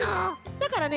だからね